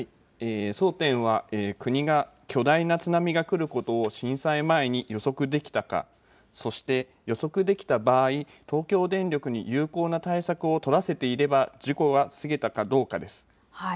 争点は国が巨大な津波が来ることを震災前に予測できたか、そして予測できた場合、東京電力に有効な対策を取らせていれば事故は防げたかどうかです。